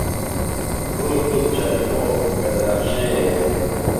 گوڵو گوڵ چهرمۆ که دهدهخشێنێ